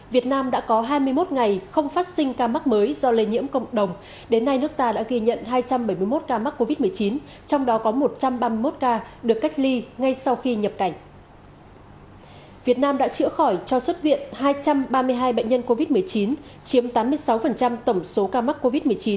việt nam đã chữa khỏi cho xuất viện hai trăm ba mươi hai bệnh nhân covid một mươi chín chiếm tám mươi sáu tổng số ca mắc covid một mươi chín